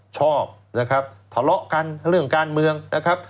ชอบนะครับทะเลาะกันเรื่องการเมืองนะครับ